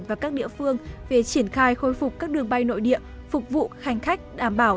và các địa phương về triển khai khôi phục các đường bay nội địa phục vụ hành khách đảm bảo